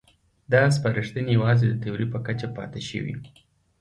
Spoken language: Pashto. دا سپارښتنې یوازې د تیورۍ په کچه پاتې شوې.